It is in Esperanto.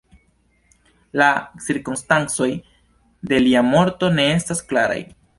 La cirkonstancoj de lia morto ne estas klaraj.